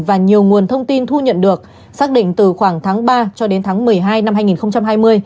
và nhiều nguồn thông tin thu nhận được xác định từ khoảng tháng ba cho đến tháng một mươi hai năm hai nghìn hai mươi